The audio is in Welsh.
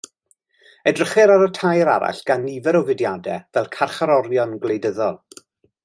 Edrychir ar y tair arall gan nifer o fudiadau fel carcharorion gwleidyddol.